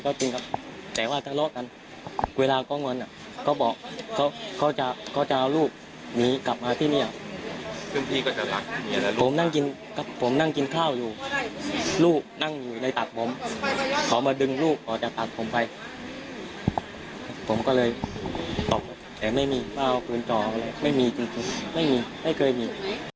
ผมก็เลยตอบแต่ไม่มีมาเอาปืนจอหัวเลยไม่มีจริงไม่มีไม่เคยมี